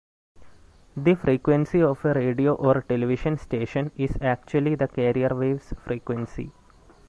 The frequency of a radio or television station is actually the carrier wave's frequency.